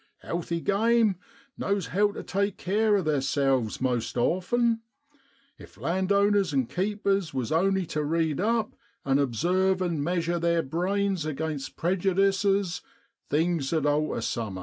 Healthy game knows how tu take care of theerselves most often; if landowners an' keepers was only tu read up and obsarve and measure theer brains aginst prejudices, things 'ud alter summat.